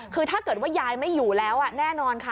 คือถ้าเกิดว่ายายไม่อยู่แล้วแน่นอนค่ะ